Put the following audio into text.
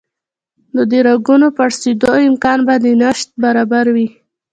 نو د رګونو پړسېدو امکان به د نشت برابر وي